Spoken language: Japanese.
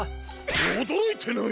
おどろいてない！